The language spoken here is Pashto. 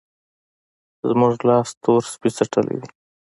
زموږ لاس تور سپی څټلی دی.